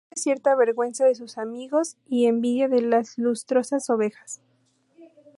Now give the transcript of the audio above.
Y siente cierta vergüenza de sus amigos y envidia de las lustrosas ovejas.